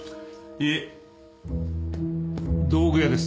いえ「道具屋」です。